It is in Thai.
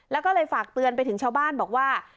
แล้วก็เลยฝากเตือนไปถึงชาวบ้านบอกว่า